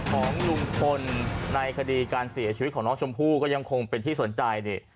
ของลุงพลในคดีการเสียชีวิตของน้องชมพู่ก็ยังคงเป็นที่สนใจดิ